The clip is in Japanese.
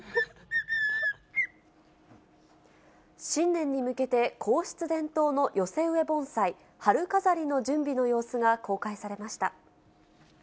新年に向けて、皇室伝統の寄せ植え盆栽、春飾りの準備の様子が公開されました。